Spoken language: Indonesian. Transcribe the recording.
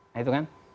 nah itu kan